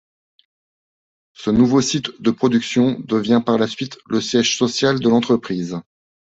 Ce nouveau site de production devient par la suite le siège social de l'entreprise.